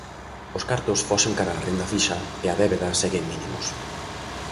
Os cartos foxen cara a renda fixa e a débeda segue en mínimos.